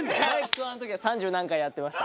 ツアーの時は三十何回やってました。